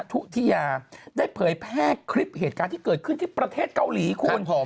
ทุธิยาได้เผยแพร่คลิปเหตุการณ์ที่เกิดขึ้นที่ประเทศเกาหลีคุณ